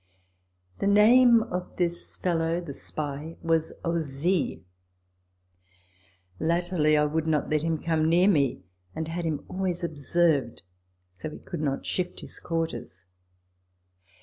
f The name of this fellow [the Spy] was Ozille. Latterly I would not let him come near me, and had him always observed. So he could not shift his quarters.